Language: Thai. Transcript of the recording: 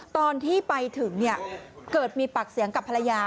ตอนที่ไปถึงเกิดมีปากเสียงกับภรรยา